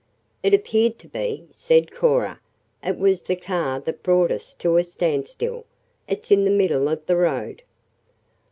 "It appeared to be," said Cora. "It was the car that brought us to a standstill. It's in the middle of the road."